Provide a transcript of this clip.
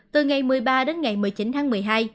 từ ngày một mươi ba đến ngày một mươi chín tháng một mươi hai